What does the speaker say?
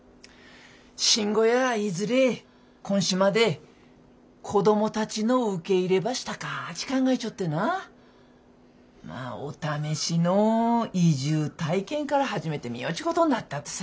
信吾やいずれこん島で子供たちの受け入ればしたかっち考えちょってなお試しの移住体験から始めてみようっちゅうことになったとさ。